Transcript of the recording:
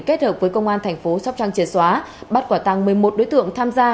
kết hợp với công an thành phố sóc trăng triệt xóa bắt quả tăng một mươi một đối tượng tham gia